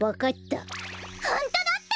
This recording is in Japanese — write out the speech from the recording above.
ホントだって！